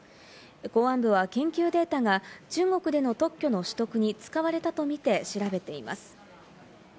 公安部は、研究データが中国での特許の取得に使われたとみて調べています。